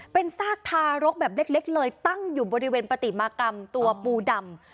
เป็นซากทารกแบบเล็กเลยตั้งอยู่บริเวณปฏิมากรรมตัวปูดำ